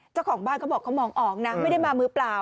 เจ้าของบ้านเขาบอกเขามองออกนะไม่ได้มามือเปล่า